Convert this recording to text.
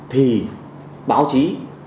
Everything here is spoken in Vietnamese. thì báo chí